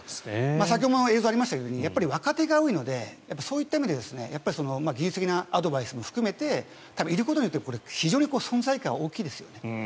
先ほども映像がありましたように若手が多いのでそういった意味で技術的なアドバイスを含めていることによって非常に存在感が大きいですよね。